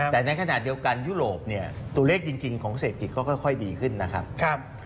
แต่ในขณะเดียวกันยุโรปเนี่ยตัวเลขจริงของเศรษฐกิจก็ค่อยดีขึ้นนะครับ